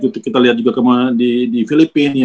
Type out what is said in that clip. kita lihat juga di filipina